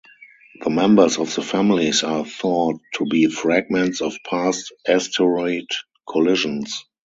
The members of the families are thought to be fragments of past asteroid collisions.